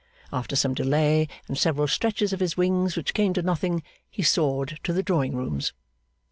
After some delay, and several stretches of his wings which came to nothing, he soared to the drawing rooms.